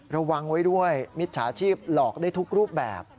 ระวังไว้ด้วยมิจฉาชีพหลอกได้ทุกรูปแบบ